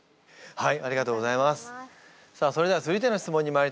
はい！